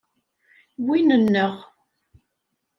Win nneɣ.